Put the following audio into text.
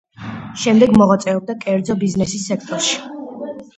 შემდეგ მოღვაწეობდა კერძო ბიზნესის სექტორში.